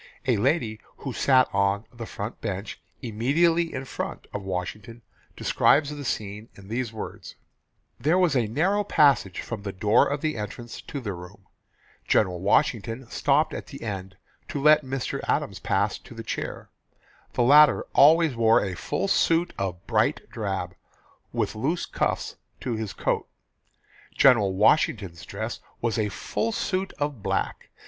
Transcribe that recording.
A lady who sat on "the front bench," "immediately in front" of Washington describes the scene in these words: "There was a narrow passage from the door of entrance to the room. General Washington stopped at the end to let Mr. Adams pass to the chair. The latter always wore a full suit of bright drab, with loose cuffs to his coat. General Washington's dress was a full suit of black.